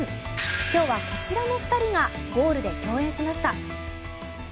今日はこちらの２人がゴールで共演しました。